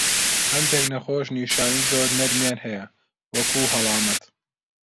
هەندێک نەخۆش نیشانەی زۆر نەرمیان هەیە، وەکو هەڵامەت.